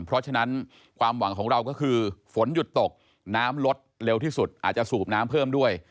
เพราะฉะนั้นความหวังของเราก็คือฝนหยุดตกน้ำลดเร็วที่สุดอาจจะสูบน้ำเพิ่มด้วย